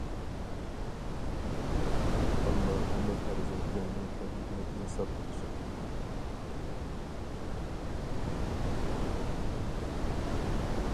ئاللا ھەممە پەرزەنتلەرنىڭ كۆڭلىگە ئىنساب بەرسۇن!